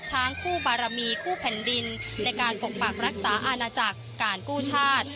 ช้างคู่บารมีคู่แผ่นดินในการปกปักรักษาอาณาจักรการกู้ชาติ